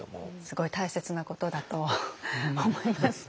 すごい大切なことだと思います。